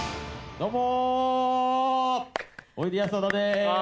どうも。